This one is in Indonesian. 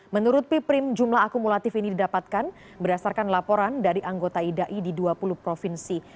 menurut piprim jumlah akumulatif ini didapatkan berdasarkan laporan dari anggota idai di dua puluh provinsi